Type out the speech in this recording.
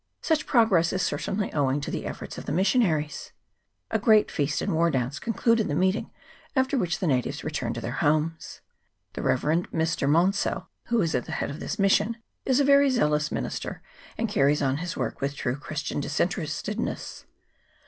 Such progress is certainly owing to the efforts of the missionaries. A great feast and war dance concluded the meeting, after which the natives returned to their homes. The Rev. Mr. Maunsell, who is at the head of this mission, is a very zealous minister, and carries on his work with true Christian disinterestedness.